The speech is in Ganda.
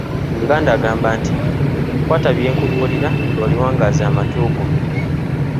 Omuganda agamba nti, "kwata byenkubuulira lw'oliwangaaza amatu go".